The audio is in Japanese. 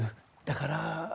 だから。